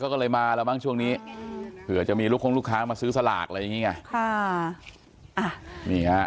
ก็ก็เลยมาแล้วบ้างช่วงนี้เผื่อจะมีลูกค้องลูกค้างมาซื้อสลากอะไรอย่างงี้